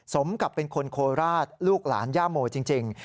สมกับเป็นคนโคราชลูกหลานย่าโมจริง